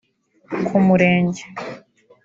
Ku murenge